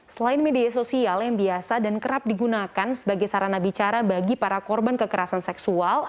selain media sosial yang biasa dan kerap digunakan sebagai sarana bicara bagi para korban kekerasan seksual